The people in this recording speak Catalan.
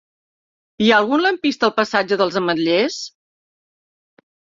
Hi ha algun lampista al passatge dels Ametllers?